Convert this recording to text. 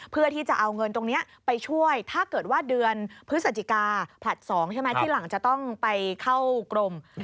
เพื่อที่จะเอาเงินตรงนี้ไปช่วยถ้าเกิดว่าเดือนพฤศจิกาผลัด๒ใช่ไหมที่หลังจะต้องไปเข้ากรม